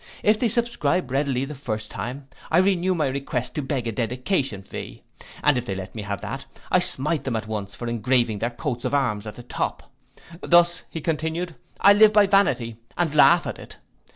If they subscribe readily the first time, I renew my request to beg a dedication fee. If they let me have that, I smite them once more for engraving their coat of arms at the top. Thus, continued he, I live by vanity, and laugh at it.